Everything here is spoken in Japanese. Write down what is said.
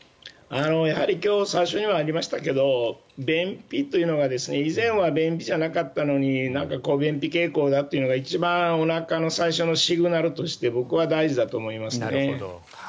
やはり今日最初にもありましたけど便秘というのは以前は便秘じゃなかったのになんか便秘傾向だというのがおなかの一番最初のシグナルとして僕は大事だと思いますね。